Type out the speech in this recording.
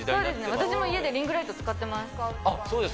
私も家でリングライト使ってます。